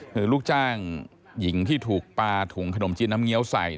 คือลูกจ้างหญิงที่ถูกปลาถุงขนมจีนน้ำเงี้ยวใส่